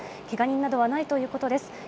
けが人などはないということです。